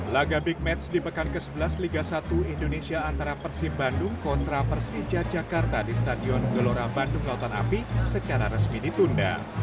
laga big match di pekan ke sebelas liga satu indonesia antara persib bandung kontra persija jakarta di stadion gelora bandung lautan api secara resmi ditunda